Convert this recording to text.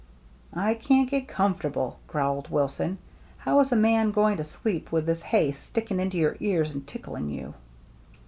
" I can't get comfortable," growled Wilson. " How is a man going to sleep with this hay sticking into your ears and tickling you